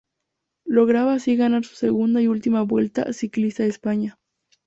Lograba así ganar su segunda y última Vuelta ciclista a España.